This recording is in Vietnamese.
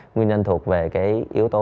nguyên nhân thuộc về cái yếu tố